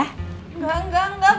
enggak enggak enggak